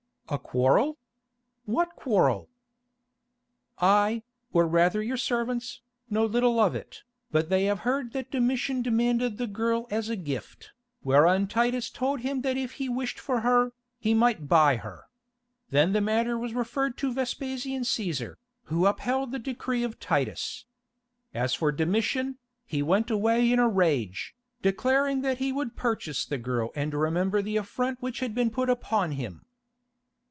"A quarrel? What quarrel?" "I, or rather your servants, know little of it, but they have heard that Domitian demanded the girl as a gift, whereon Titus told him that if he wished for her, he might buy her. Then the matter was referred to Vespasian Cæsar, who upheld the decree of Titus. As for Domitian, he went away in a rage, declaring that he would purchase the girl and remember the affront which had been put upon him."